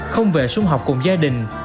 không về xuân học cùng gia đình